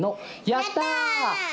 やった！